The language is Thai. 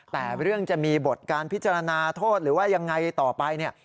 แต่เรื่องจะมีบทการพิจารณาโทษหรือว่ายังไงต่อไปเนี่ย